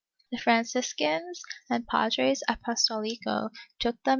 The Franciscans and Padres Apostolicos took them in > MSS.